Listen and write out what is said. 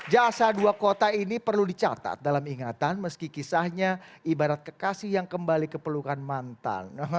jasa dua kota ini perlu dicatat dalam ingatan meski kisahnya ibarat kekasih yang kembali keperlukan mantan